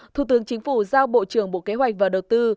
thủ tướng chính phủ giao bộ trưởng bộ kế hoạch và đầu tư